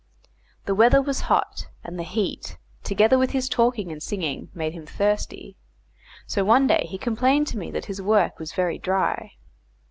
The weather was hot, and the heat, together with his talking and singing, made him thirsty; so one day he complained to me that his work was very dry.